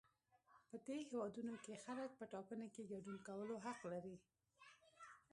په دې هېوادونو کې خلک په ټاکنو کې ګډون کولو حق لري.